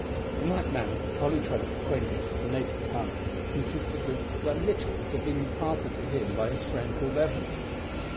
In like manner Tolly Trevor's acquaintance with the native tongue consisted of the little that had been imparted to him by his friend Paul Bevan.